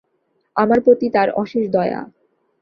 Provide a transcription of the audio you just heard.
আমার প্রতি তাঁর অশেষ দয়া।